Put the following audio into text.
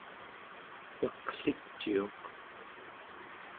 neqliciuq